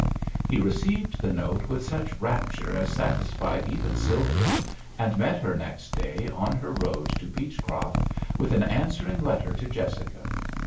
He received the note with such rap ture as satisfied even Sylvia, and met her next day, on her road to Beechcroft, with an answering letter to Jessica.